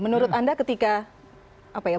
menurut anda ketika